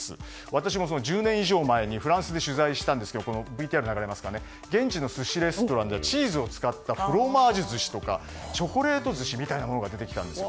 私も１０年以上前にフランスで取材したんですけれども現地の寿司レストランでチーズを使った寿司とかチョコレート寿司みたいなものが出てきたんです。